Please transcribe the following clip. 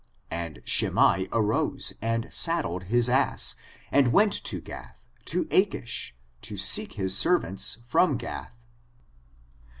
And Shimei arose and saddled his ass, and went to Gath, to Achish, to seek his servants from Gath."